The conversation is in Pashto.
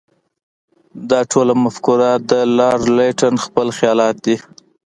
دا ټوله مفکوره د لارډ لیټن خپل خیالات دي.